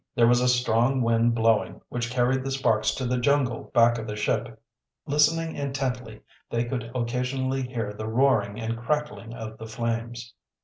There was a strong wind blowing, which carried the sparks to the jungle back of the ship. Listening intently, they could occasionally hear the roaring and crackling of the flames.